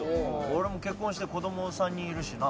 俺も結婚して子ども３人いるしな。